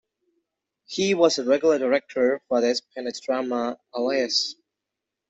He was a regular director for the espionage drama "Alias".